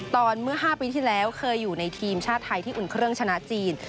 เมื่อ๕ปีที่แล้วเคยอยู่ในทีมชาติไทยที่อุ่นเครื่องชนะจีน